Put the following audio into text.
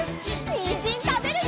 にんじんたべるよ！